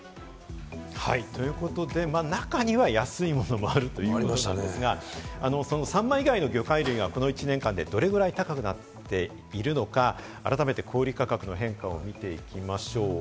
中には安いものもあるといういうことですが、サンマ以外の魚介類がこの１年間でどれくらい高くなっているのか、改めて小売り価格の変化を見ていきましょう。